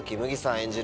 演じる